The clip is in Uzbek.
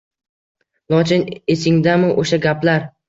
Lochin esingdami o‘sha gaplar